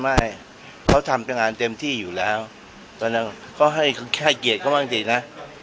ไม่เขาทำจังหวัดเต็มที่อยู่แล้วก็ให้แค่เกลียดก็บ้างดีนะ